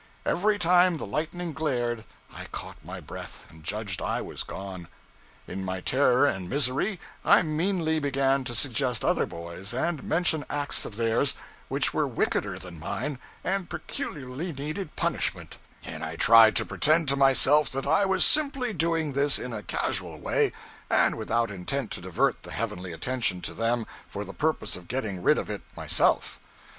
Every time the lightning glared I caught my breath, and judged I was gone. In my terror and misery, I meanly began to suggest other boys, and mention acts of theirs which were wickeder than mine, and peculiarly needed punishment and I tried to pretend to myself that I was simply doing this in a casual way, and without intent to divert the heavenly attention to them for the purpose of getting rid of it myself.